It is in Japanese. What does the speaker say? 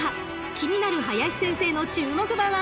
［気になる林先生の注目馬は］